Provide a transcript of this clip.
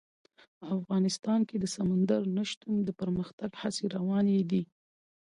افغانستان کې د سمندر نه شتون د پرمختګ هڅې روانې دي.